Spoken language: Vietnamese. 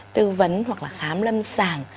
tư vấn hoặc là khám lâm sàng